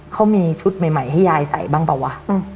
เขามีชุดใหม่ให้ยายใส่บ้างเปล่าวะ